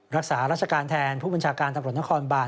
รักษาราชการแทนผู้บัญชาการตำรวจนครบาน